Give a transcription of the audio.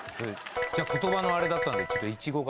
言葉のあれだったんで。